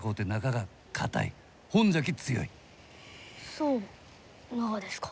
そうながですか。